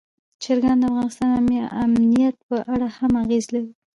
چرګان د افغانستان د امنیت په اړه هم اغېز لري.